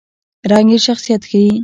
رنګ یې شخصیت ښيي.